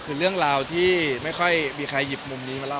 คือเรื่องราวที่ไม่ค่อยมีใครหยิบมุมนี้มาเล่า